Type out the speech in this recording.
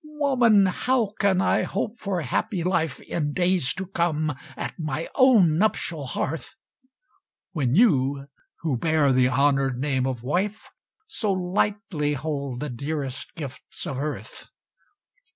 Woman, how can I hope for happy life In days to come at my own nuptial hearth, When you who bear the honoured name of wife So lightly hold the dearest gifts of earth?